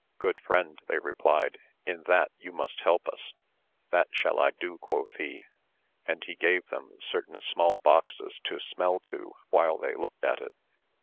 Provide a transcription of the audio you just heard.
Good friend, they replied, in that you must help us ; That shall I do, quoth he, and he gave them certain small boxes to smell to while they looked at it.